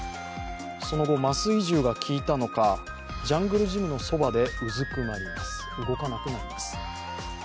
その後、麻酔銃がきいたのか、ジャングルジムのそばで動かなくなります。